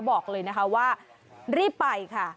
บอกเลยนะคะว่ารีบไปค่ะ